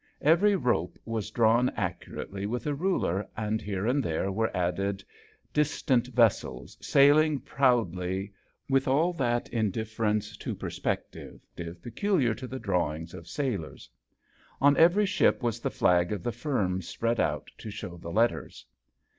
Every rope was rawn accurately with a ruler, nd here and there were added istant vessels sailing proudly y with all that indifference to perspective peculiar to the draw ngs of sailors. On every ship vas the flag of the firm spread ut to show the letters.